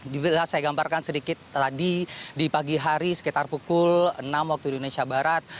bisa saya gambarkan sedikit tadi di pagi hari sekitar pukul enam waktu indonesia barat